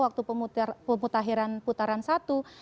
waktu pemutahiran putaran salah